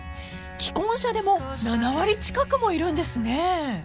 ［既婚者でも７割近くもいるんですね］